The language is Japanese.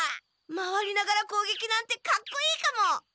回りながらこうげきなんてかっこいいかも！